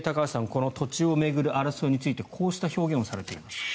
この土地を巡る争いについてこうした表現をされています。